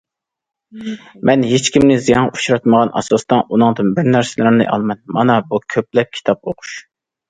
مەن ھېچكىمنى زىيانغا ئۇچراتمىغان ئاساستا ئۇنىڭدىن بىر نەرسىلەرنى ئالىمەن، مانا بۇ كۆپلەپ كىتاب ئوقۇش.